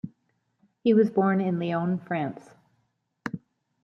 He was born in Lyon, France.